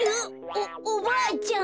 おおばあちゃん。